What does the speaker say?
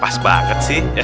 pas banget sih